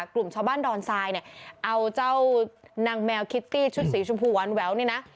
กลุ่มชาวบ้านดอนทรายเนี่ยเอาเจ้านางแมวคิตตี้ชุดสีชมพูหวานแววเนี่ยนะ